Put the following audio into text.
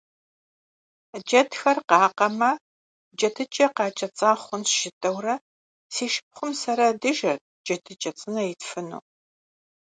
Джэдхэр къакъэмэ, «джэдыкӏэ къакӏэцӏа хъунщ» жытӏэурэ, си шыпхъум сэрэ дыжэрт джэдыкӏэ цӏынэ итфыну.